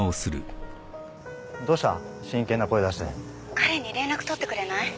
彼に連絡取ってくれない？